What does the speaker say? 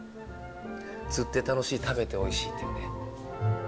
釣って楽しい食べておいしいっていうね。